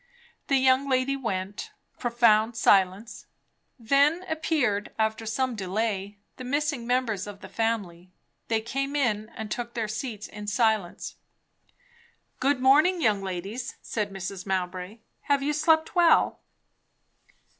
The young lady went. Profound silence. Then appeared, after some delay, the missing members of the family; they came in and took their seats in silence. "Good morning, young ladies!" said Mrs. Mowbray. "Have you slept well?"